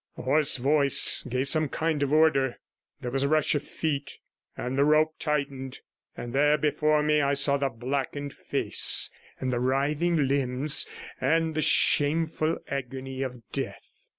A hoarse voice gave some kind of order; there was a rush of feet, and the rope tightened; and there before me I saw the blackened face and the writhing limbs and the shameful agony of death.